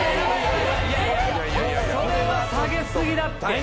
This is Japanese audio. それは下げすぎだって